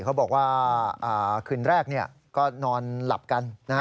เขาบอกว่าคืนแรกก็นอนหลับกัน